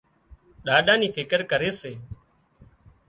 ڏاڏا نِي فڪر ڪري سي